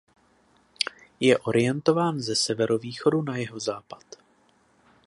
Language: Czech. Je orientován ze severovýchodu na jihozápad.